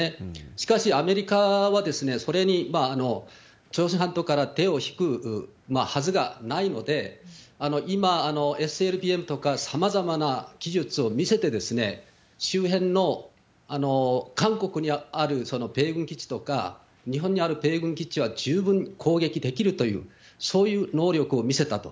しかしアメリカは、それに朝鮮半島から手を引くはずがないので、今、ＳＬＢＭとか、さまざまな技術を見せて、周辺の韓国にある米軍基地とか、日本にある米軍基地は十分攻撃できるという、そういう能力を見せたと。